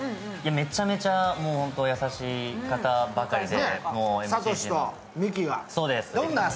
めちゃめちゃ優しい方ばかりで。